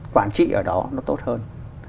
quản trị ở đó nó tốt hơn